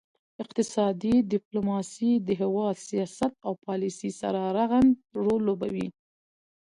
اقتصادي ډیپلوماسي د هیواد سیاست او پالیسي سره رغند رول لوبوي